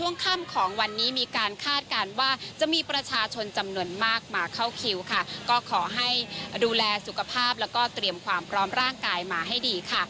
วิมวลวันธรรมพักษณ์ดีข่าวไทยรัฐทีวีรายงานค่ะ